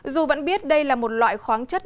dù vẫn biết đây là một loại khoáng chất